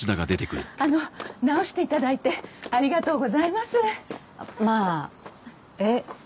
あの直していただいてありがとうございますまあえっ？